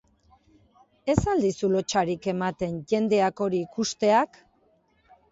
Ez al dizu lotsarik ematen jendeak hori ikusteak?